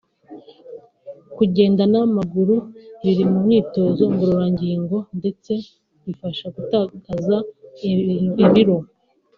Kugenda n’amaguru biri mu myitozo ngororangingo ndetse bifasha gutakaza ibiro